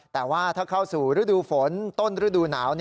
แต่ว่าถ้าเข้าสู่ฤดูฝนต้นฤดูหนาว